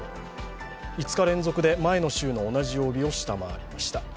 ５日連続で前の週の同じ曜日を下回りました。